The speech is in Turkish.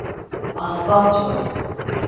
Asfalt yol.